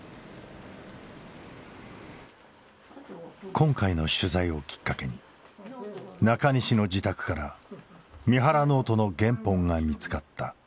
今回の取材をきっかけに中西の自宅から三原ノートの原本が見つかった。